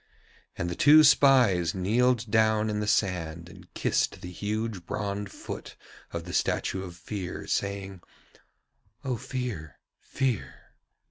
And the two spies kneeled down in the sand and kissed the huge bronze foot of the statue of Fear, saying: 'O Fear, Fear.'